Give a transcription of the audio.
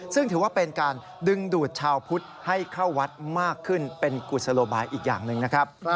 ซึ่งถือว่าเป็นการดึงดูดชาวพุทธให้เข้าวัดมากขึ้นเป็นกุศโลบายอีกอย่างหนึ่งนะครับ